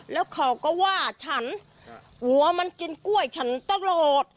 แล้วเขาก็ว่าฉันหัวมันกินกล้วยฉันตลอด